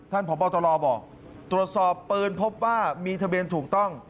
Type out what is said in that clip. ท่านผอตลอบบอกตรวจสอบปืนพบว่ามีทะเบียนถูกต้อง